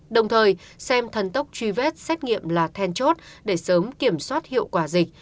đồng thời xem thần tốc truy vết xét nghiệm là then chốt để sớm kiểm soát hiệu quả dịch